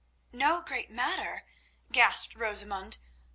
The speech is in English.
"No great matter!" gasped Rosamund.